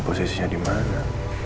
posisinya di mana